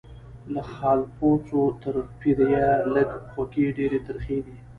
له خالپوڅو تر پیریه لږ خوږې ډیري ترخې دي